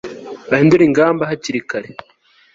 bahindure ingamba hakiri kare